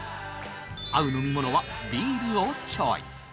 合う飲み物はビールをチョイス